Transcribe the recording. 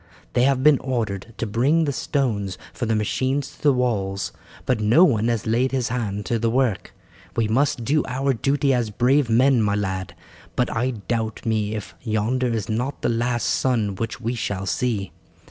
They have been ordered to bring the stones for the machines to the walls, but no one has laid his hand to the work. We must do our duty as brave men, my lad, but I doubt me if yonder is not the last sun which we shall see.